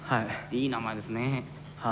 いい名前ですね。